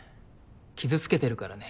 傷つけてるからね